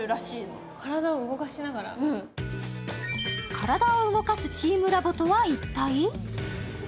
体を動かすチームラボとは一体？